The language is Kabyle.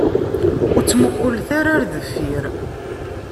Ur ttmuqqulet ara ɣer deffir.